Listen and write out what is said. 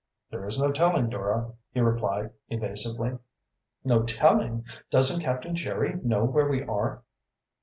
"There is no telling, Dora," he replied evasively. "No telling? Doesn't Captain Jerry know where we are?"